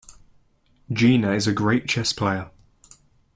Gina is a great chess player.